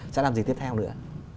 sẽ làm gì tiếp theo nữa